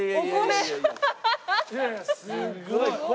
すごい米。